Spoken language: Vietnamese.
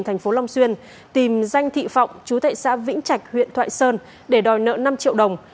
thành phố long xuyên tìm danh thị phọng chú tệ xã vĩnh trạch huyện thoại sơn để đòi nợ năm triệu đồng